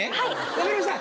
わかりました！